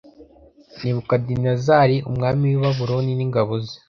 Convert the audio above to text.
Nebukadinezari umwami w i Babuloni n ingabo ze